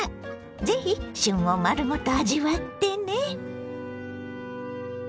是非旬を丸ごと味わってね！